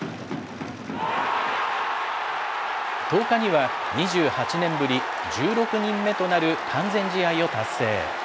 １０日には２８年ぶり１６人目となる完全試合を達成。